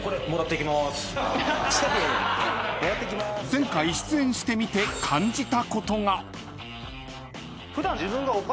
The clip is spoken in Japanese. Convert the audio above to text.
［前回出演してみて感じたことが］